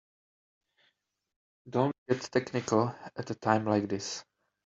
Don't get technical at a time like this.